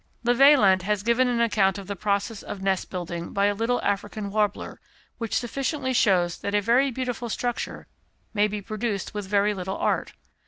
Levaillant has given an account of the process of nest building by a little African warbler, which sufficiently shows that a very beautiful structure may be produced with very little art.